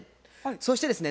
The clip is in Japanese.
そしてですね